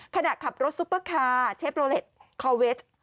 ขณะขับรถซุปเปอร์คาร์เชฟโรเล็ตคอลเวช